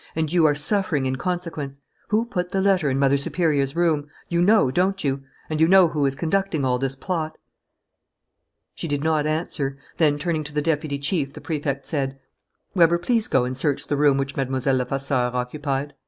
And you are suffering in consequence. Who put the letter in Mother Superior's room? You know, don't you? And you know who is conducting all this plot?" She did not answer. Then, turning to the deputy chief, the Prefect said: "Weber, please go and search the room which Mlle. Levasseur occupied."